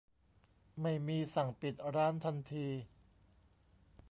ไม่มีสั่งปิดร้านทันที